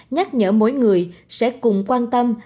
nhắc nhở mỗi người sẽ cùng quan tâm